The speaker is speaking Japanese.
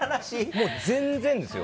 もう全然ですよ